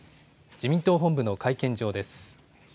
自民党本部の会見場です。